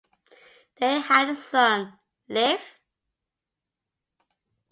They had a son, Lief.